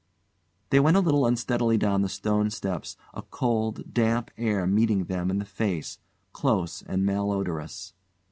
They went a little unsteadily down the stone steps, a cold, damp air meeting them in the face, close and mal odorous.